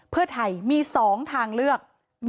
เพื่อไทยมี๒ทางเลือก